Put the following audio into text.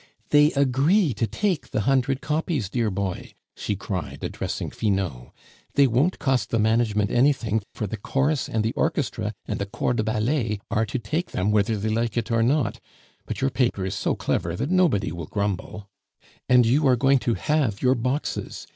"They agree to take the hundred copies, dear boy!" she cried, addressing Finot; "they won't cost the management anything, for the chorus and the orchestra and the corps de ballet are to take them whether they like it or not; but your paper is so clever that nobody will grumble. And you are going to have your boxes.